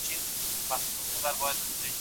زه به د ذمي حق ادا کړم.